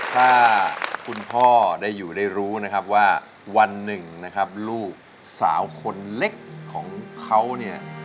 ถ้าคุณพ่อได้อยู่ได้รู้นะครับว่าวันหนึ่งนะครับลูกสาวคนเล็กของเขาเนี่ย